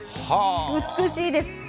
美しいです。